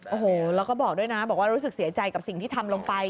โอ้โหเราก็บอกนะว่ารู้สึกเสียใจกับสิ่งที่ทำลงไป